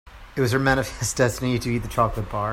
It was her manifest destiny to eat that chocolate bar.